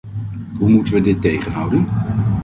Hoe moeten we dit tegenhouden?